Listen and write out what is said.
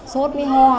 sốt với hò